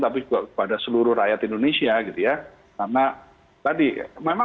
tapi juga bagaimana implementasinya di lapangan